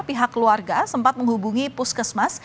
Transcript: pihak keluarga sempat menghubungi puskesmas